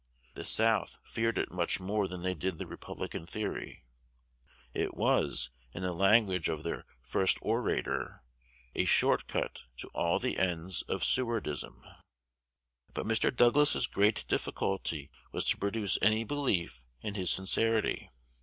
The South feared it much more than they did the Republican theory: it was, in the language of their first orator, "a shortcut to all the ends of Sewardism." But Mr. Douglas's great difficulty was to produce any belief in his sincerity.